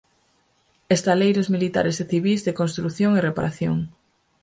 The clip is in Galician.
Estaleiros militares e civís de construción e reparación.